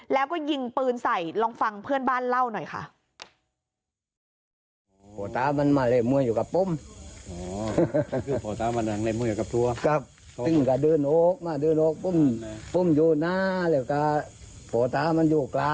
แล้วก็ยิงปืนใส่ลองฟังเพื่อนบ้านเล่าหน่อยค่ะ